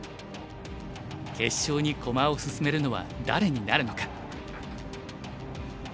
決勝に駒を進めるのは誰になるのか。